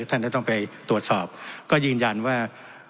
ท่านจะต้องไปตรวจสอบก็ยืนยันว่า